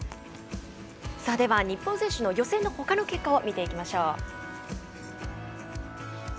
日本選手の予選のほかの結果を見ていきましょう。